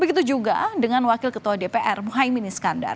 begitu juga dengan wakil ketua dpr muhai mini skandar